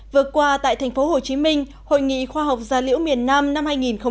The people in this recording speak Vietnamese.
vừa qua tại tp hcm hội nghị khoa học gia liễu miền nam năm hai nghìn một mươi chín